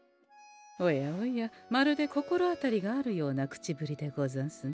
おやおやまるで心当たりがあるような口ぶりでござんすね。